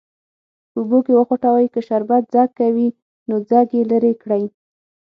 په اوبو کې وخوټوئ که شربت ځګ کوي نو ځګ یې لرې کړئ.